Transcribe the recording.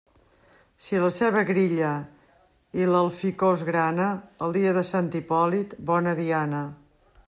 Si la ceba grilla i l'alficòs grana, el dia de Sant Hipòlit, bona diana.